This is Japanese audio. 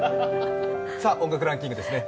音楽ランキングですね。